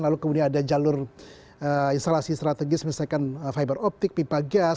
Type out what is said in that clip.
lalu kemudian ada jalur instalasi strategis misalkan fiberoptik pipa gas